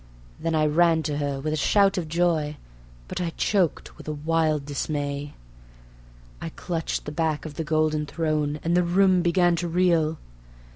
..." Then I ran to her with a shout of joy, but I choked with a wild dismay. I clutched the back of the golden throne, and the room began to reel